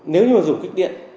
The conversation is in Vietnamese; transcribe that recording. nếu như mà dùng kích điện